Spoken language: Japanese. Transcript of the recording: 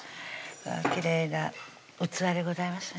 きれいな器でございますね